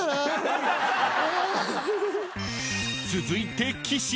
［続いて］